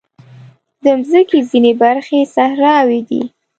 د مځکې ځینې برخې صحراوې دي.